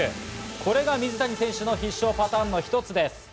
これが水谷選手の必勝パターンの一つです。